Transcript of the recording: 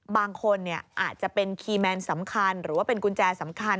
บางคนอาจจะเป็นคีย์แมนสำคัญหรือว่าเป็นกุญแจสำคัญ